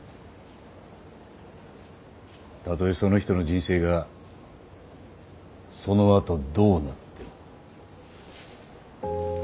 たとえその人の人生がそのあとどうなっても。